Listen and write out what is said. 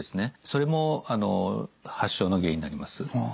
それも発症の原因になります。